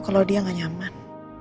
kalau dia gak nyaman